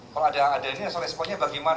kalau ada ini responnya bagaimana